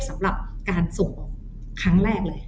สำหรับการส่งออกครั้งแรกเลย